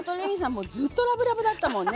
もうずっとラブラブだったもんね